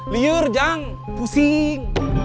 liur jang pusing